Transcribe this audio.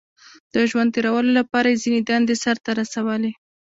• د ژوند تېرولو لپاره یې ځینې دندې سر ته رسولې.